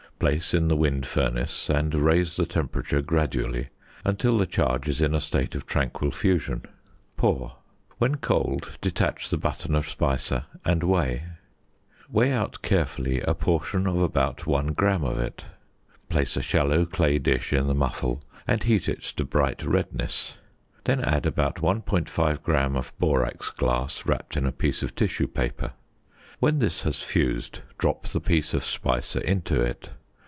Place in the wind furnace, and raise the temperature gradually until the charge is in a state of tranquil fusion. Pour; when cold, detach the button of speise, and weigh. Weigh out carefully a portion of about 1 gram of it. Place a shallow clay dish in the muffle, and heat it to bright redness; then add about 1.5 gram of borax glass wrapped in a piece of tissue paper; when this has fused, drop the piece of speise into it.